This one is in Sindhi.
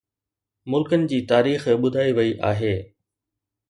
ملڪن جي تاريخ ٻڌائي وئي آهي